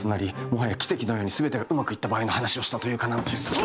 もはや奇跡のように全てがうまくいった場合の話をしたというか何というか。